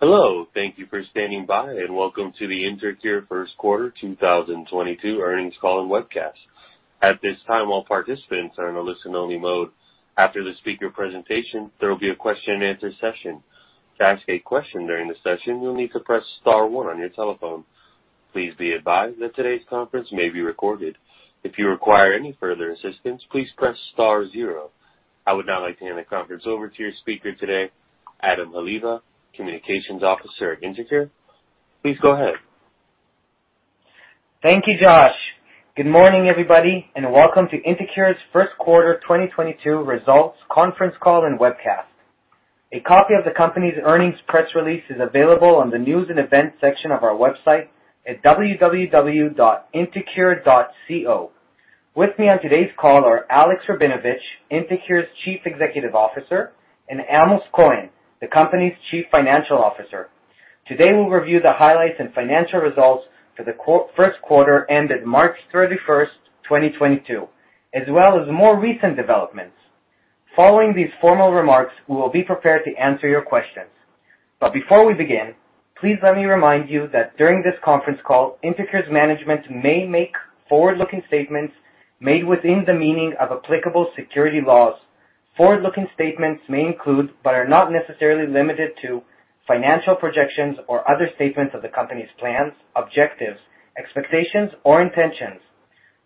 Hello. Thank you for standing by, and welcome to the InterCure First Quarter 2022 Earnings Call and Webcast. At this time, all participants are in a listen only mode. After the speaker presentation, there will be a question and answer session. To ask a question during the session, you'll need to press star one on your telephone. Please be advised that today's conference may be recorded. If you require any further assistance, please press star zero. I would now like to hand the conference over to your speaker today, Adam Haliva, Communications Officer at InterCure. Please go ahead. Thank you, Josh. Good morning, everybody, and welcome to InterCure's first quarter 2022 results conference call and webcast. A copy of the company's earnings press release is available on the news and events section of our website at www.intercure.co. With me on today's call are Alexander Rabinovich, InterCure's Chief Executive Officer, and Amos Cohen, the Company's Chief Financial Officer. Today, we'll review the highlights and financial results for the first quarter ended March 31, 2022, as well as more recent developments. Following these formal remarks, we will be prepared to answer your questions. Before we begin, please let me remind you that during this conference call, InterCure's management may make forward-looking statements made within the meaning of applicable securities laws. Forward-looking statements may include, but are not necessarily limited to, financial projections or other statements of the company's plans, objectives, expectations, or intentions.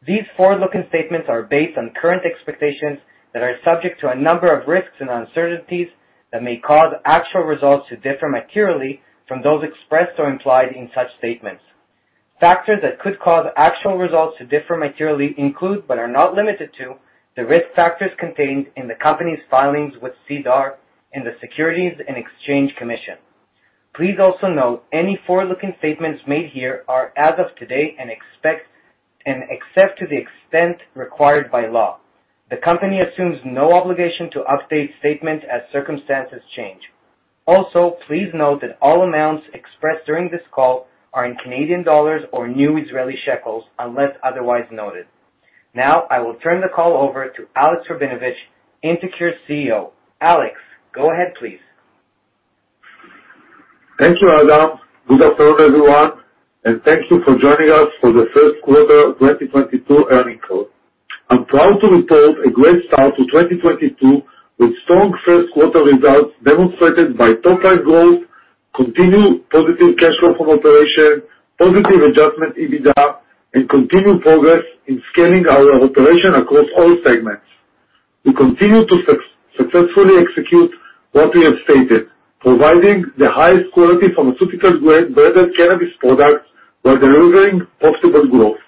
These forward-looking statements are based on current expectations that are subject to a number of risks and uncertainties that may cause actual results to differ materially from those expressed or implied in such statements. Factors that could cause actual results to differ materially include, but are not limited to, the risk factors contained in the company's filings with SEDAR and the Securities and Exchange Commission. Please also note any forward-looking statements made here are as of today and accept to the extent required by law. The company assumes no obligation to update statements as circumstances change. Also, please note that all amounts expressed during this call are in Canadian dollars or new Israeli shekels, unless otherwise noted. Now I will turn the call over to Alexander Rabinovich, InterCure's CEO. Alex, go ahead, please. Thank you, Adam. Good afternoon, everyone, and thank you for joining us for the first quarter 2022 earnings call. I'm proud to report a great start to 2022 with strong first quarter results demonstrated by top-line growth, continued positive cash flow from operations, positive adjusted EBITDA, and continued progress in scaling our operations across all segments. We continue to successfully execute what we have stated, providing the highest quality pharmaceutical-grade branded cannabis products while delivering profitable growth.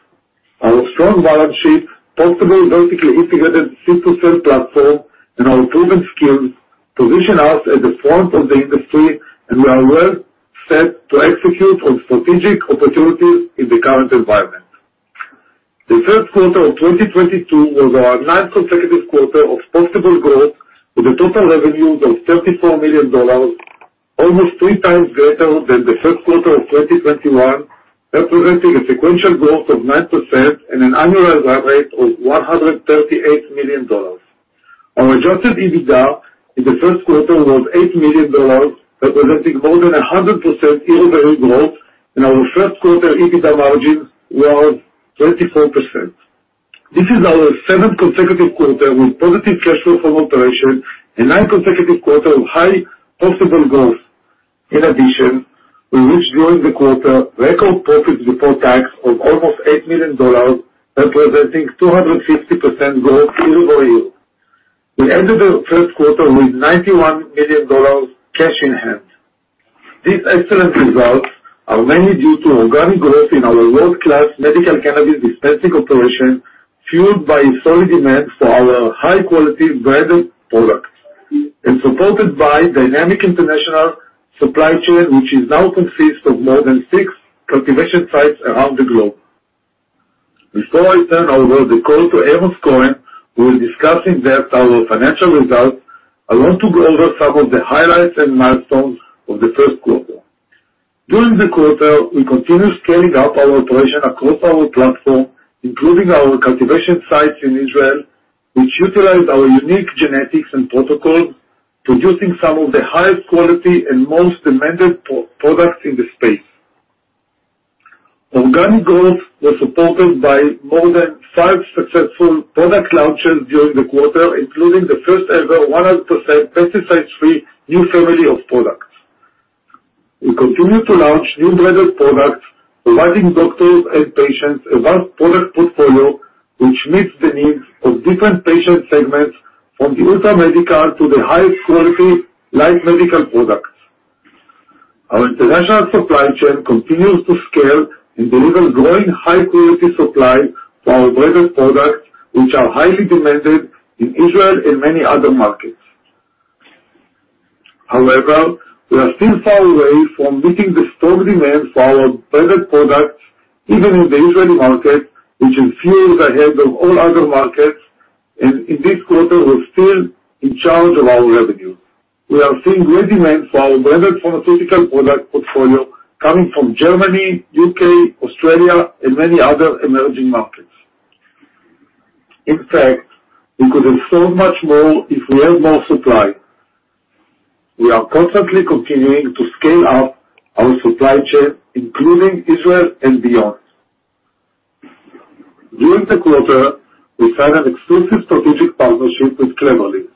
Our strong balance sheet, profitable vertically integrated seed-to-sale platform, and our proven skills position us at the front of the industry, and we are well set to execute on strategic opportunities in the current environment. The first quarter of 2022 was our ninth consecutive quarter of profitable growth, with total revenues of ILS 34 million, almost three times greater than the first quarter of 2021, representing a sequential growth of 9% and an annualized run rate of ILS 138 million. Our adjusted EBITDA in the first quarter was ILS 8 million, representing more than 100% year-over-year growth, and our first quarter EBITDA margins were 34%. This is our seventh consecutive quarter with positive cash flow from operation and nine consecutive quarter of high profitable growth. In addition, we reached during the quarter record profits before tax of almost ILS 8 million, representing 250% growth year-over-year. We ended the first quarter with ILS 91 million cash in hand. These excellent results are mainly due to organic growth in our world-class medical cannabis dispensing operation, fueled by a solid demand for our high-quality branded products and supported by dynamic international supply chain, which is now consist of more than six cultivation sites around the globe. Before I turn over the call to Amos Cohen, who will discuss in depth our financial results, I want to go over some of the highlights and milestones of the first quarter. During the quarter, we continued scaling up our operation across our platform, including our cultivation sites in Israel, which utilize our unique genetics and protocols, producing some of the highest quality and most demanded products in the space. Organic growth was supported by more than five successful product launches during the quarter, including the first-ever 100% pesticide-free new family of products. We continue to launch new branded products, providing doctors and patients a vast product portfolio which meets the needs of different patient segments from the ultra medical to the highest quality light medical products. Our international supply chain continues to scale and deliver growing high-quality supply for our branded products, which are highly demanded in Israel and many other markets. However, we are still far away from meeting the strong demand for our branded products, even in the Israeli market, which is a few years ahead of all other markets. In this quarter was still a large part of our revenue. We are seeing great demand for our branded pharmaceutical product portfolio coming from Germany, U.K., Australia, and many other emerging markets. In fact, we could have sold much more if we had more supply. We are constantly continuing to scale up our supply chain, including Israel and beyond. During the quarter, we signed an exclusive strategic partnership with Clever Leaves.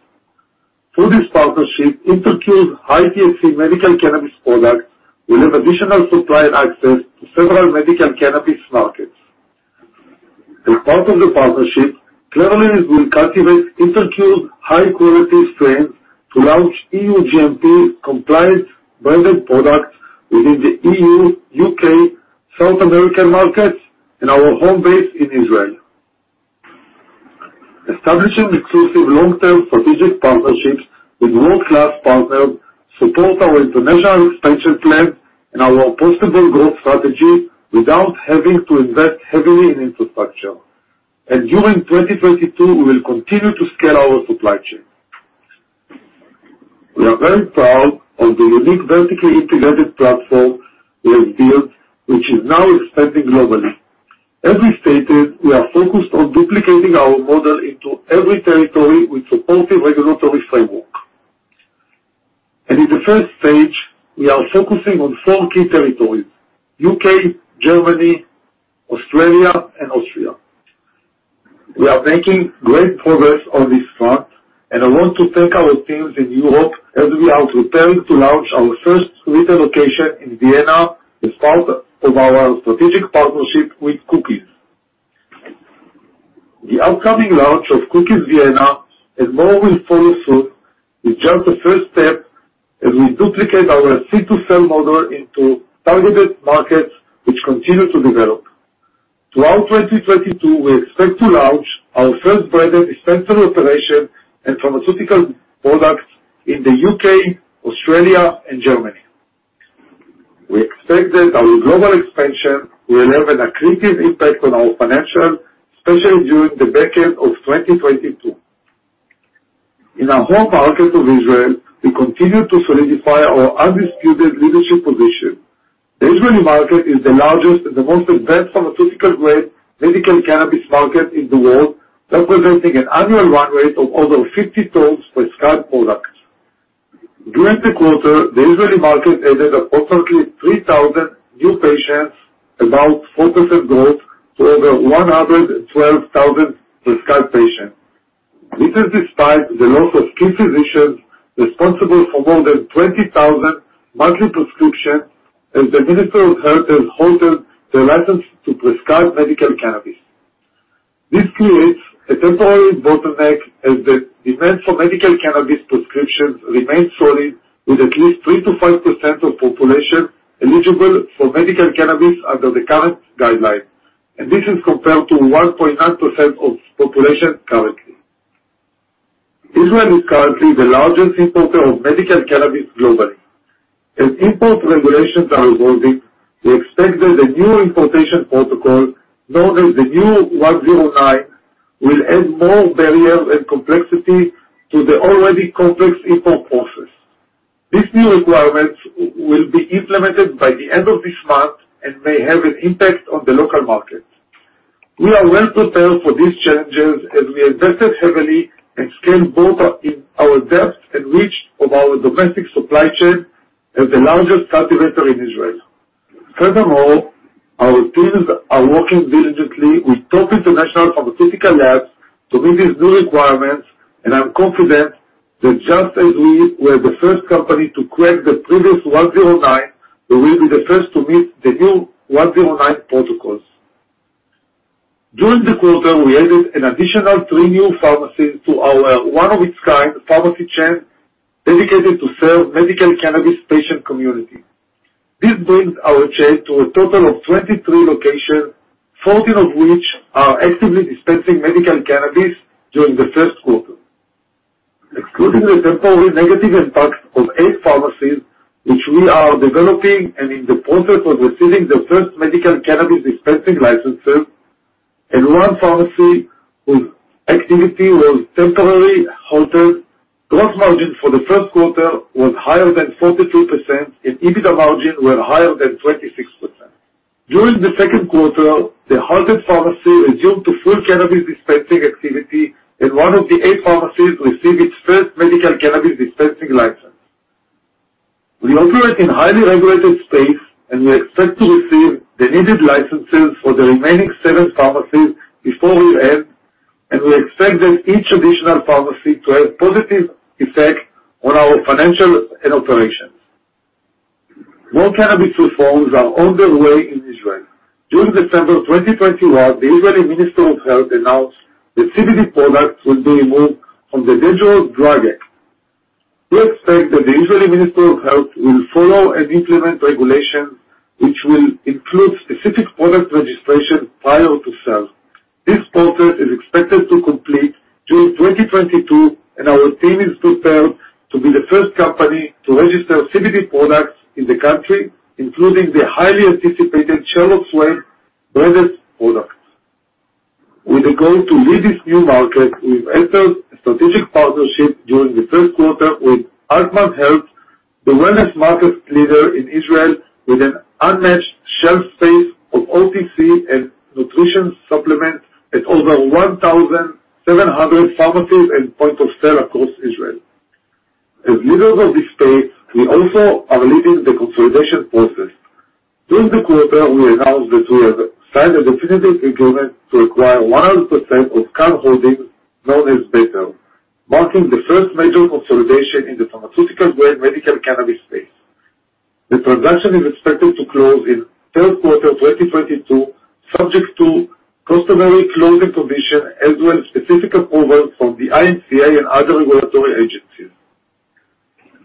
Through this partnership, InterCure's high THC medical cannabis products will have additional supply and access to several medical cannabis markets. As part of the partnership, Clever Leaves will cultivate InterCure's high-quality strains to launch EU GMP compliance branded products within the EU, UK, South American markets, and our home base in Israel. Establishing exclusive long-term strategic partnerships with world-class partners support our international expansion plan and our possible growth strategy without having to invest heavily in infrastructure. During 2022, we will continue to scale our supply chain. We are very proud of the unique vertically integrated platform we have built, which is now expanding globally. As we stated, we are focused on duplicating our model into every territory with supportive regulatory framework. In the first stage, we are focusing on four key territories, U.K., Germany, Australia, and Austria. We are making great progress on this front, and I want to thank our teams in Europe as we are preparing to launch our first retail location in Vienna as part of our strategic partnership with Cookies. The upcoming launch of Cookies Vienna, and more will follow soon, is just the first step as we duplicate our seed-to-sale model into targeted markets which continue to develop. Throughout 2022, we expect to launch our first branded dispensary operation and pharmaceutical products in the U.K., Australia, and Germany. We expect that our global expansion will have an accretive impact on our financials, especially during the back end of 2022. In our home market of Israel, we continue to solidify our undisputed leadership position. The Israeli market is the largest and the most advanced pharmaceutical-grade medical cannabis market in the world, representing an annual run rate of over 50 tons prescribed products. During the quarter, the Israeli market added approximately 3,000 new patients, about 4% growth to over 112,000 prescribed patients. This is despite the loss of key physicians responsible for more than 20,000 monthly prescriptions as the Minister of Health has halted their license to prescribe medical cannabis. This creates a temporary bottleneck as the demand for medical cannabis prescriptions remains solid, with at least 3%-5% of population eligible for medical cannabis under the current guidelines, and this is compared to 1.9% of population currently. Israel is currently the largest importer of medical cannabis globally. As import regulations are evolving, we expect that the new importation protocol, known as the new 109, will add more barriers and complexity to the already complex import process. These new requirements will be implemented by the end of this month and may have an impact on the local market. We are well prepared for these challenges as we invested heavily and scaled in our depth and reach of our domestic supply chain as the largest cultivator in Israel. Furthermore, our teams are working diligently with top international pharmaceutical labs to meet these new requirements, and I'm confident that just as we were the first company to crack the previous 109, we will be the first to meet the new 109 protocols. During the quarter, we added an additional three new pharmacies to our one-of-a-kind pharmacy chain dedicated to serving medical cannabis patient community. This brings our chain to a total of 23 locations, 14 of which are actively dispensing medical cannabis during the first quarter. Excluding the temporary negative impacts of eight pharmacies which we are developing and in the process of receiving the first medical cannabis dispensing licenses and 1 pharmacy whose activity was temporarily halted, gross margin for the first quarter was higher than 42%, and EBITDA margins were higher than 26%. During the second quarter, the halted pharmacy resumed to full cannabis dispensing activity and one of the eight pharmacies received its first medical cannabis dispensing license. We operate in highly regulated space, and we expect to receive the needed licenses for the remaining seven pharmacies before year-end, and we expect that each additional pharmacy to have positive effect on our financials and operations. More cannabis reforms are on their way in Israel. During December 2021, the Israeli Minister of Health announced that CBD products will be removed from the Dangerous Drugs Ordinance. We expect that the Israeli Minister of Health will follow and implement regulations which will include specific product registration prior to sale. This process is expected to complete during 2022, and our team is prepared to be the first company to register CBD products in the country, including the highly anticipated Charlotte's Web branded products. With the goal to lead this new market, we've entered a strategic partnership during the first quarter with Altman Health - the wellness market leader in Israel with an unmatched shelf space of OTC and nutrition supplements at over 1,700 pharmacies and point of sale across Israel. As leaders of this space, we also are leading the consolidation process. During the quarter, we announced that we have signed a definitive agreement to acquire 100% of Cann Pharmaceutical, known as Better, marking the first major consolidation in the pharmaceutical-grade medical cannabis space. The transaction is expected to close in third quarter of 2022, subject to customary closing conditions, as well as specific approvals from the IMCA and other regulatory agencies.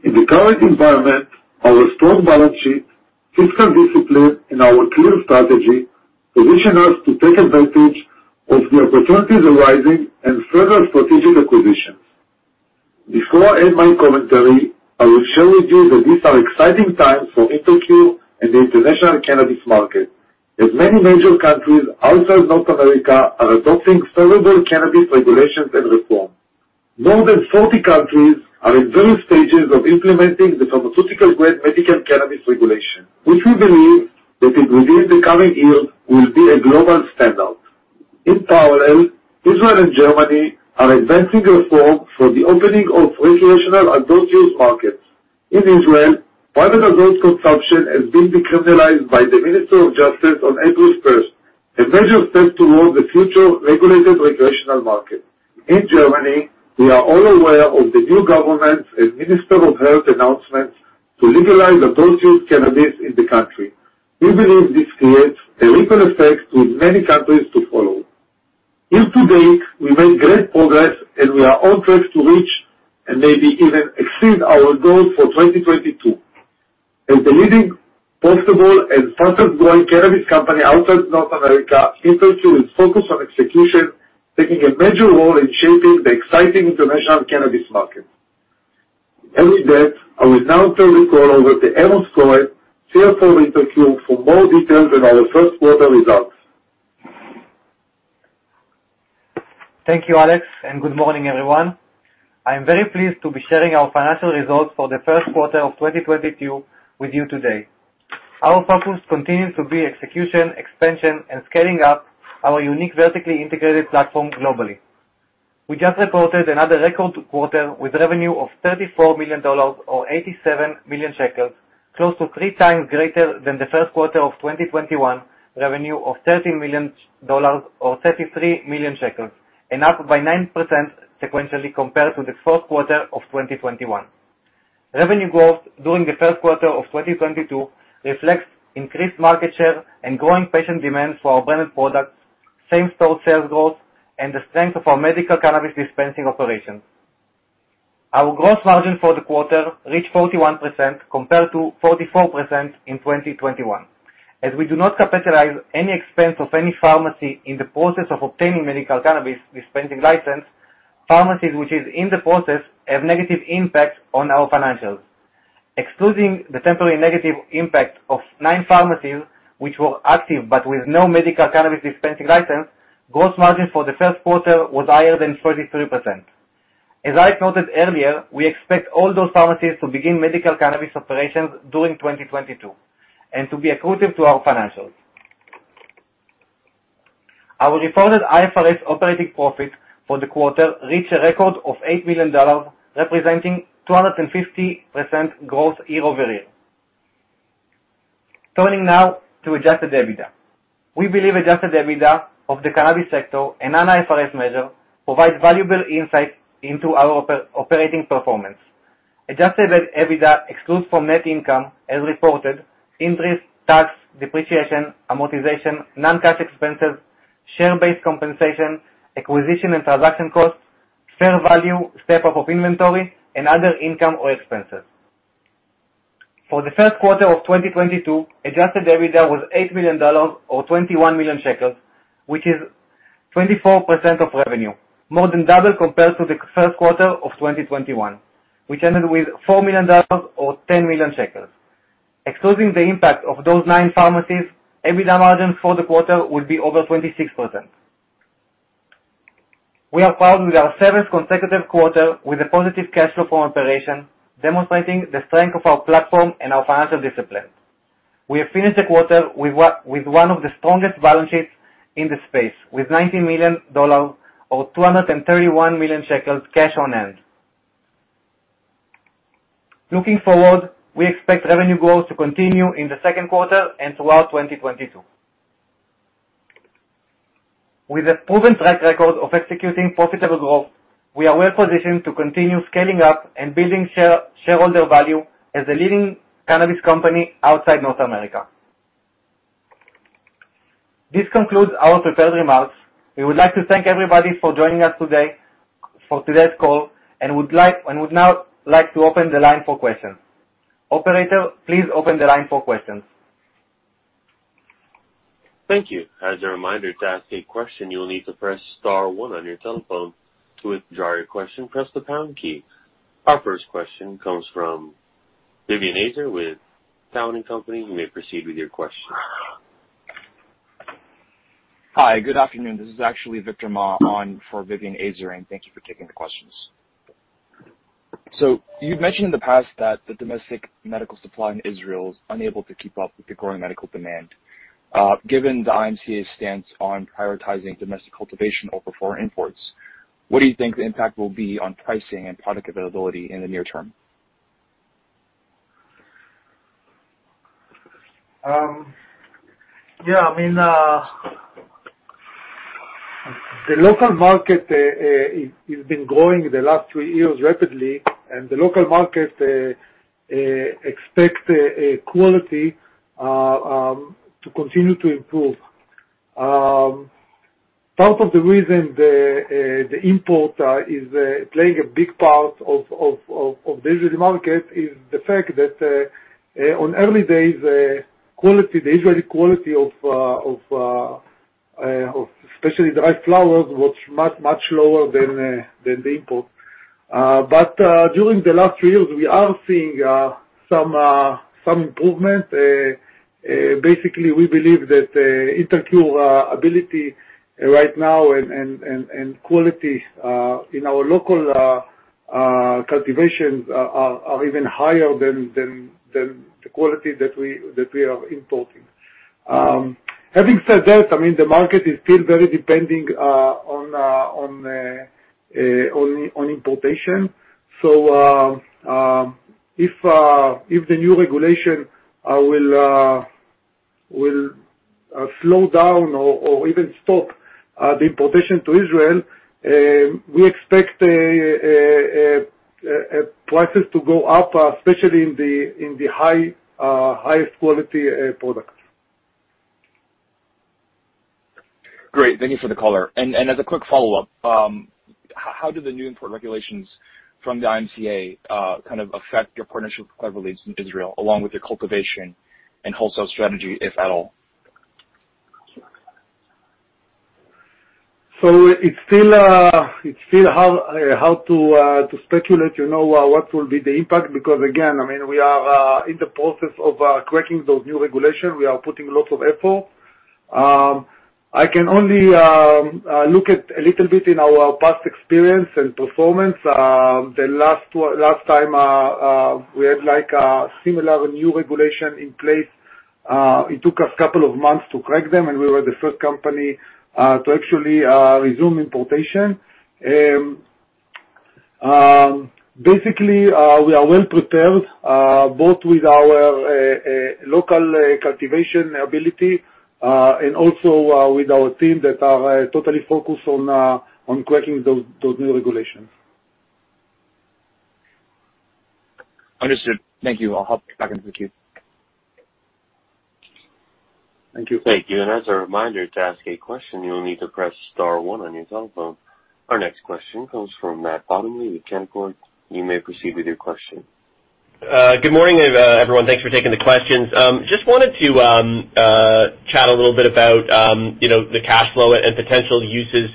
In the current environment, our strong balance sheet, fiscal discipline and our clear strategy position us to take advantage of the opportunities arising and further strategic acquisitions. Before I end my commentary, I will share with you that these are exciting times for InterCure and the international cannabis market, as many major countries outside North America are adopting favorable cannabis regulations and reform. More than 40 countries are in various stages of implementing the pharmaceutical-grade medical cannabis regulation, which we believe that within the coming years will be a global standout. In parallel, Israel and Germany are advancing reform for the opening of recreational adult-use markets. In Israel, private adult consumption has been decriminalized by the Minister of Justice on April 1st, a major step towards the future regulated recreational market. In Germany, we are all aware of the new government and Minister of Health announcement to legalize adult-use cannabis in the country. We believe this creates a ripple effect with many countries to follow. Year-to-date, we made great progress, and we are on track to reach and maybe even exceed our goals for 2022. As the leading profitable and fastest growing cannabis company outside North America, InterCure is focused on execution, taking a major role in shaping the exciting international cannabis market. With that, I will now turn the call over to Amos Cohen, CFO of InterCure, for more details on our first quarter results. Thank you, Alex, and good morning, everyone. I am very pleased to be sharing our financial results for the first quarter of 2022 with you today. Our focus continues to be execution, expansion, and scaling up our unique vertically integrated platform globally. We just reported another record quarter with revenue of $34 million or 87 million shekels, close to 3x greater than the first quarter of 2021, revenue of $13 million or 33 million shekels, and up by 9% sequentially compared to the fourth quarter of 2021. Revenue growth during the first quarter of 2022 reflects increased market share and growing patient demand for our branded products, same-store sales growth, and the strength of our medical cannabis dispensing operations. Our gross margin for the quarter reached 41% compared to 44% in 2021. As we do not capitalize any expense of any pharmacy in the process of obtaining medical cannabis dispensing license, pharmacies which is in the process have negative impact on our financials. Excluding the temporary negative impact of nine pharmacies, which were active but with no medical cannabis dispensing license, gross margin for the first quarter was higher than 43%. As I noted earlier, we expect all those pharmacies to begin medical cannabis operations during 2022, and to be accretive to our financials. Our reported IFRS operating profit for the quarter reached a record of $8 million, representing 250% growth year-over-year. Turning now to adjusted EBITDA. We believe adjusted EBITDA of the cannabis sector and non-IFRS measure provides valuable insight into our operating performance. Adjusted EBITDA excludes from net income as reported, interest, tax, depreciation, amortization, non-cash expenses, share-based compensation, acquisition and transaction costs, fair value, step-up of inventory, and other income or expenses. For the first quarter of 2022, adjusted EBITDA was CAD 8 million or 21 million shekels, which is 24% of revenue, more than double compared to the first quarter of 2021, which ended with 4 million dollars or 10 million shekels. Excluding the impact of those nine pharmacies, EBITDA margin for the quarter would be over 26%. We have filed with our seventh consecutive quarter with a positive cash flow from operations, demonstrating the strength of our platform and our financial discipline. We have finished the quarter with with one of the strongest balance sheets in the space, with 90 million dollars or 231 million shekels cash on hand. Looking forward, we expect revenue growth to continue in the second quarter and throughout 2022. With a proven track record of executing profitable growth, we are well-positioned to continue scaling up and building shareholder value as a leading cannabis company outside North America. This concludes our prepared remarks. We would like to thank everybody for joining us today, for today's call, and would now like to open the line for questions. Operator, please open the line for questions. Thank you. As a reminder, to ask a question, you will need to press star one on your telephone. To withdraw your question, press the pound key. Our first question comes from Vivien Azer with Cowen and Company. You may proceed with your question. Hi, good afternoon. This is actually Victor Ma on for Vivien Azer. Thank you for taking the questions. You've mentioned in the past that the domestic medical supply in Israel is unable to keep up with the growing medical demand. Given the IMCA stance on prioritizing domestic cultivation over foreign imports, what do you think the impact will be on pricing and product availability in the near term? Yeah, I mean, the local market, it has been growing the last three years rapidly, and the local market expects quality to continue to improve. Part of the reason the import is playing a big part of the Israeli market is the fact that in early days the Israeli quality of especially dried flowers was much lower than the import. During the last few years, we are seeing some improvement. Basically, we believe that InterCure ability right now and quality in our local cultivations are even higher than the quality that we are importing. Having said that, I mean, the market is still very dependent on importation. If the new regulation will slow down or even stop the importation to Israel, we expect prices to go up, especially in the highest quality products. Great. Thank you for the color. As a quick follow-up, how do the new import regulations from the IMCA kind of affect your partnership with Clever Leaves in Israel, along with your cultivation and wholesale strategy, if at all? It's still hard how to speculate, you know, what will be the impact, because again, I mean, we are in the process of cracking those new regulations. We are putting lots of effort. I can only look at a little bit in our past experience and performance. The last time we had like a similar new regulation in place, it took us a couple of months to crack them, and we were the first company to actually resume importation. Basically, we are well prepared both with our local cultivation ability and also with our team that are totally focused on cracking those new regulations. Understood. Thank you. I'll hop back into the queue. Thank you. Thank you. As a reminder, to ask a question, you'll need to press star one on your telephone. Our next question comes from Matt Bottomley with Canaccord. You may proceed with your question. Good morning, everyone. Thanks for taking the questions. Just wanted to chat a little bit about, you know, the cash flow and potential uses,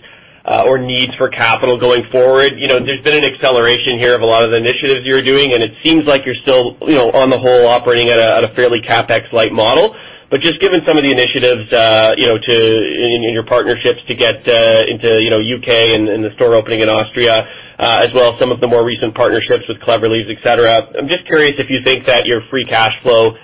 or needs for capital going forward. You know, there's been an acceleration here of a lot of the initiatives you're doing, and it seems like you're still, you know, on the whole, operating at a fairly CapEx-like model. Just given some of the initiatives, you know, in your partnerships to get into, you know, UK and the store opening in Austria, as well as some of the more recent partnerships with Clever Leaves, et cetera, I'm just curious if you think that your free cash flow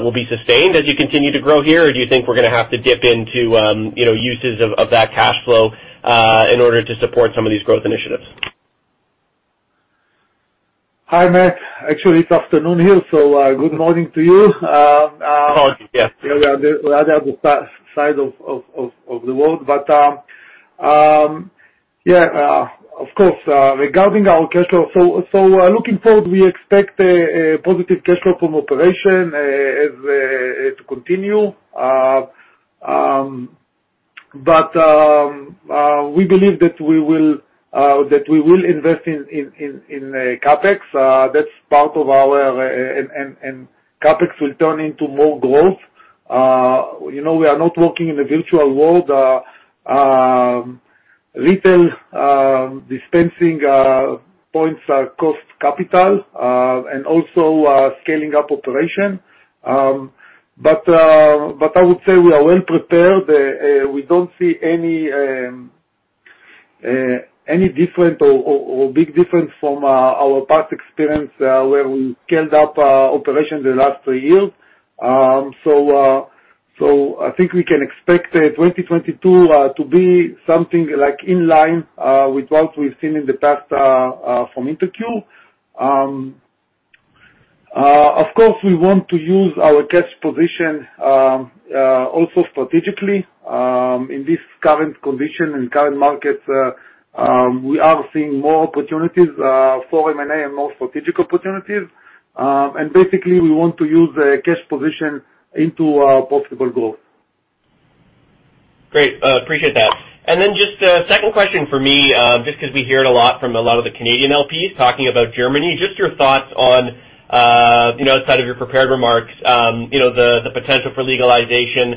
will be sustained as you continue to grow here, or do you think we're going to have to dip into, you know, uses of that cash flow in order to support some of these growth initiatives? Hi, Matt. Actually, it's afternoon here, so, good morning to you. Morning. Yes. Yeah, we are the other side of the world. Yeah, of course, regarding our cash flow. Looking forward, we expect a positive cash flow from operations to continue. We believe that we will invest in CapEx. CapEx will turn into more growth. You know, we are not working in a virtual world. Retail dispensing points cost capital, and also scaling up operations. I would say we are well prepared. We don't see any different or big difference from our past experience, where we scaled up our operations the last three years. I think we can expect 2022 to be something like in line with what we've seen in the past from InterCure. Of course, we want to use our cash position also strategically in this current condition and current markets. We are seeing more opportunities for M&A and more strategic opportunities. Basically we want to use the cash position into profitable growth. Great. Appreciate that. Then just a second question for me, just because we hear it a lot from a lot of the Canadian LPs talking about Germany, just your thoughts on, you know, outside of your prepared remarks, you know, the potential for legalization.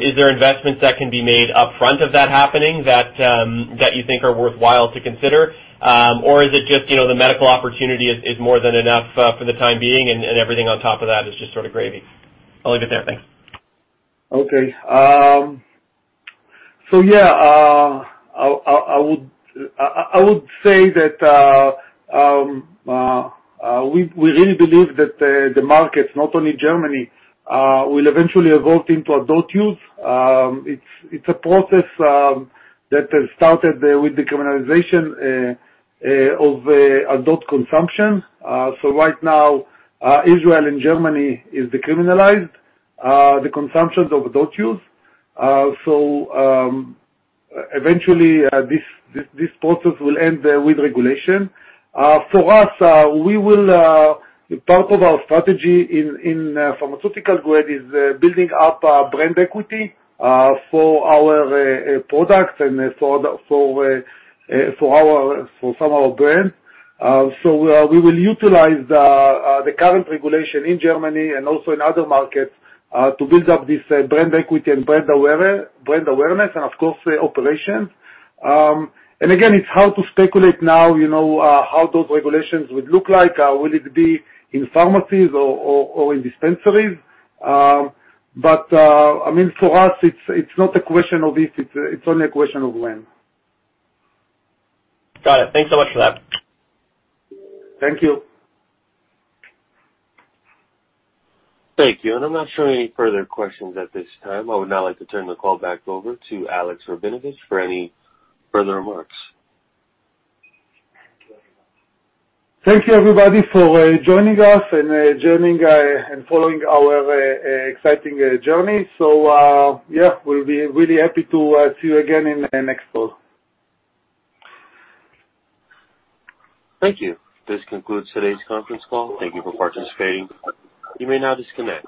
Is there investments that can be made upfront of that happening that you think are worthwhile to consider? Or is it just, you know, the medical opportunity is more than enough, for the time being and everything on top of that is just sort of gravy? I'll leave it there. Thanks. I would say that we really believe that the markets, not only Germany, will eventually evolve into adult use. It's a process that has started with the decriminalization of adult consumption. Right now, Israel and Germany is decriminalized the consumption of adult use. Eventually, this process will end with regulation. For us, part of our strategy in pharmaceutical grade is building up brand equity for our products and for some of our brands. We will utilize the current regulation in Germany and also in other markets to build up this brand equity and brand awareness and of course operations. Again, it's hard to speculate now, you know, how those regulations would look like, will it be in pharmacies or in dispensaries. I mean, for us, it's not a question of if, it's only a question of when. Got it. Thanks so much for that. Thank you. Thank you. I'm not showing any further questions at this time. I would now like to turn the call back over to Alex Rabinovich for any further remarks. Thank you, everybody, for joining us and following our exciting journey. Yeah, we'll be really happy to see you again in the next call. Thank you. This concludes today's conference call. Thank you for participating. You may now disconnect.